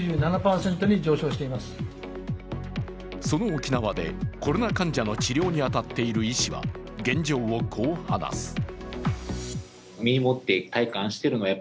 その沖縄で、コロナ患者の治療に当たっている医師は現状をこう話す。